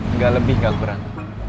nggak lebih nggak kurang